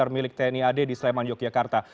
menimpa ke rumah